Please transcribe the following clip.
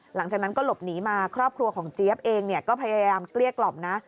หลังจากนั้นก็หลบหนีมาครอบครัวของเจี๊ยบเองก็พยายามเกลี้ยกล่อมนะ